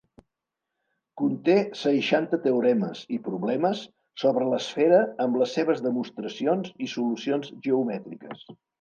Conté seixanta teoremes i problemes sobre l’esfera amb les seves demostracions i solucions geomètriques.